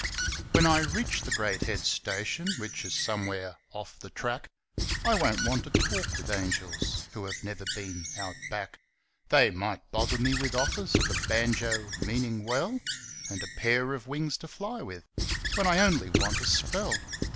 When I reach the great head station Which is somewhere 'off the track' I won't want to talk with angels Who have never been out back; They might bother me with offers Of a banjo meanin' well And a pair of wings to fly with, When I only want a spell.